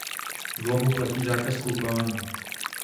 V lomu platí zákaz koupání.